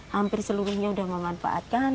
hampir seluruhnya sudah memanfaatkan